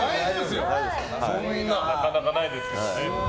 なかなかないですからね。